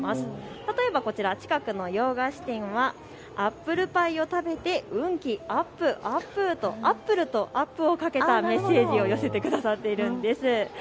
例えばこちら、近くの洋菓子店はアップルパイを食べて運気アップ、アップルとアップをかけたメッセージをくださっているんです。